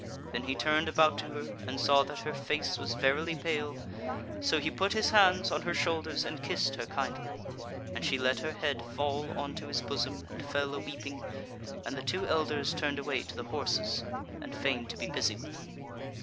Then he turned about to her, and saw that her face was verily pale; so he put his hands on her shoulders and kissed her kindly; and she let her head fall on to his bosom and fell a weeping, and the two elders turned away to the horses, and feigned to be busy with them.